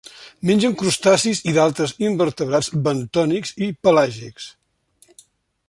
Mengen crustacis i d'altres invertebrats bentònics i pelàgics.